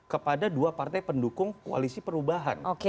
kepada dua partai pendukung koalisi perubahan